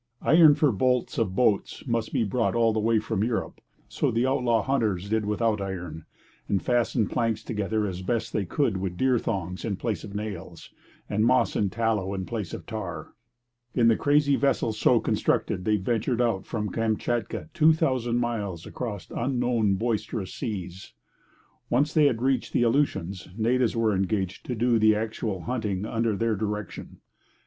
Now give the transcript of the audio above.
Iron for bolts of boats must be brought all the way from Europe; so the outlaw hunters did without iron, and fastened planks together as best they could with deer thongs in place of nails, and moss and tallow in place of tar. In the crazy vessels so constructed they ventured out from Kamchatka two thousand miles across unknown boisterous seas. Once they had reached the Aleutians, natives were engaged to do the actual hunting under their direction.